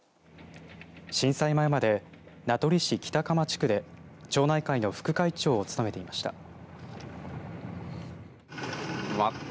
震災前まで名取市北釜地区で町内会の副会長を務めていました。